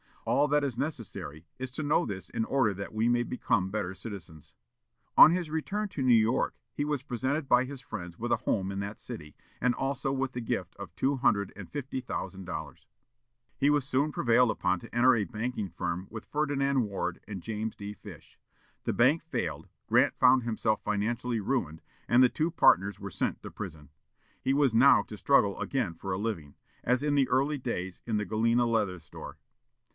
All that is necessary is to know this in order that we may become better citizens." On his return to New York, he was presented by his friends with a home in that city, and also with the gift of two hundred and fifty thousand dollars. He was soon prevailed upon to enter a banking firm with Ferdinand Ward and James D. Fish. The bank failed, Grant found himself financially ruined, and the two partners were sent to prison. He was now to struggle again for a living, as in the early days in the Galena leather store.